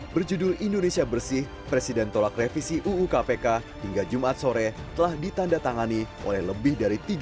berjudul indonesia bersih presiden tolak revisi uu kpk hingga jumat sore telah ditandatangani oleh lebih dari tiga orang